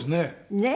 ねえ。